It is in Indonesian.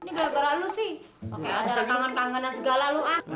ini gara gara lu sih oke ada kangen kangenan segala lu ah